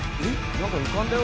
なんか浮かんだよ